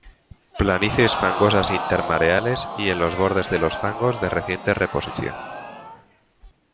Planicies fangosas intermareales y en los bordes de los fangos de reciente reposición.